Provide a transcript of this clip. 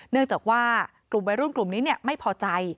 เนื่องจากว่ากลุ่มวัยรุ่นกลุ่มนี้ไม่พอใจ